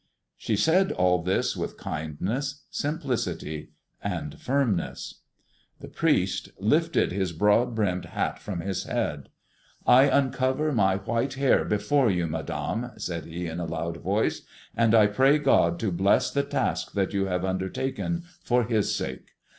She said all this with kindness, simplicity, and firmness. The priest lifted his broad brimmed hat from his head. "I uncover my white hair before you, Madame," said he, in a loud voice, "and I pray God to bless the task that you have undertaken for his sake.